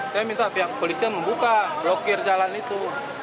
saya minta pihak polisian membuka blokir jalan itu